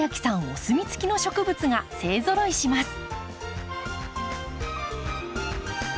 お墨付きの植物が勢ぞろいします。